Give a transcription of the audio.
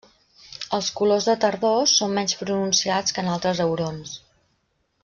Els colors de tardor són menys pronunciats que en altres aurons.